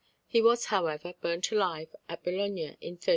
He was, however, burnt alive at Bologna in 1327.